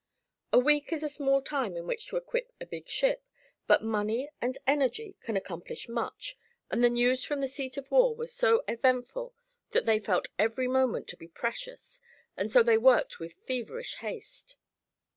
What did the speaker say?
A week is a small time in which to equip a big ship, but money and energy can accomplish much and the news from the seat of war was so eventful that they felt every moment to be precious and so they worked with feverish haste.